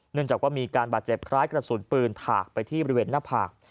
จากว่ามีการบาดเจ็บคล้ายกระสุนปืนถากไปที่บริเวณหน้าผาก